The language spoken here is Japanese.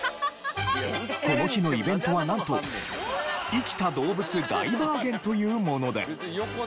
この日のイベントはなんと「生きた動物大バーゲン」というもので。